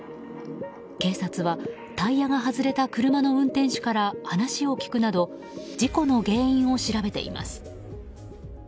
警察は、タイヤが外れた車の運転手から話を聞くなど事故の原因を調べています。